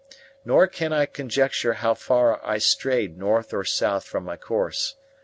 Nor can I conjecture how far I strayed north or south from my course.